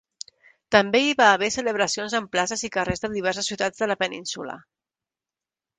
També hi va haver celebracions en places i carrers de diverses ciutats de la península.